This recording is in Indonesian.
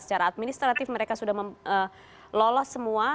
secara administratif mereka sudah lolos semua